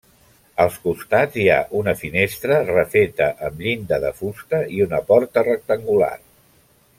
Als costats hi ha una finestra refeta amb llinda de fusta i una porta rectangular.